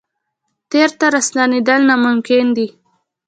تېر ته ورستنېدل ناممکن دي.